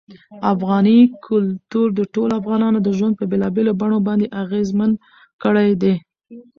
افغاني کلتور د ټولو افغانانو ژوند په بېلابېلو بڼو باندې اغېزمن کړی دی.